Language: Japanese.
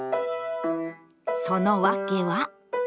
その訳は。